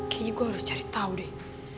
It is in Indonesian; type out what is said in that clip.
kayaknya gue harus cari tahu deh